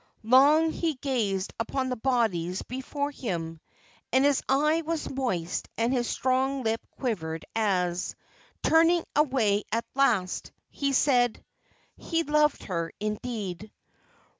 Long he gazed upon the bodies before him; and his eye was moist and his strong lip quivered as, turning away at last, he said: "He loved her indeed!"